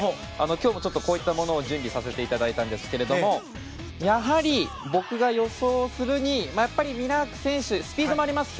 今日もこういったものを準備させていただいたんですがやはり僕が予想するにミラーク選手スピードもあります。